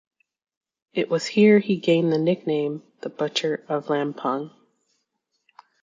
It was here he gained the nickname "The Butcher of Lampung".